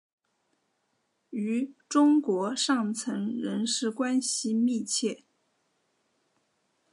与中国上层人士关系密切。